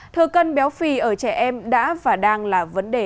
thừa cân béo phì ở trẻ em đã và đang là vấn đề